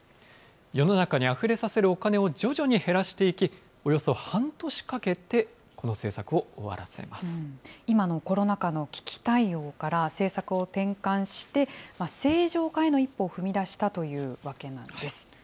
世の中にあふれさせるお金を徐々に減らしていき、およそ半年かけ今のコロナ禍の危機対応から政策を転換して、正常化への一歩を踏み出したというわけなんです。